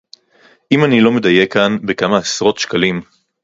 אם אני לא מדייק כאן בכמה עשרות שקלים